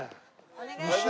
お願いします。